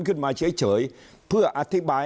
ขึ้นมาเฉยเพื่ออธิบาย